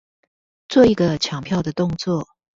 做一個搶票的動作